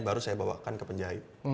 baru saya bawakan ke penjahit